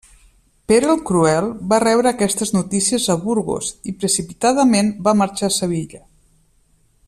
Pere el Cruel va rebre aquestes notícies a Burgos i precipitadament va marxar a Sevilla.